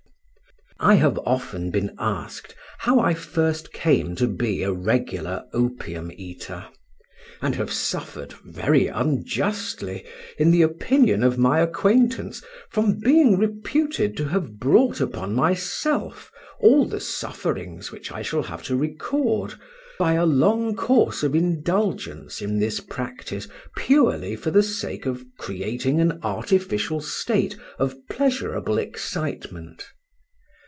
I have often been asked how I first came to be a regular opium eater, and have suffered, very unjustly, in the opinion of my acquaintance from being reputed to have brought upon myself all the sufferings which I shall have to record, by a long course of indulgence in this practice purely for the sake of creating an artificial state of pleasurable excitement.